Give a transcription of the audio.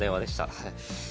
はい。